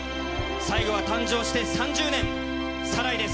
最後は誕生して３０年、サライです。